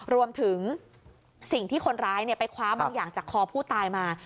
รวมถึงสิ่งที่คนร้ายไปคว้าบางอย่างจากคอผู้ตายมา